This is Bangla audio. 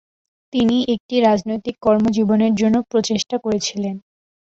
তিনি একটি রাজনৈতিক কর্মজীবনের জন্য প্রচেষ্টা করেছিলেন।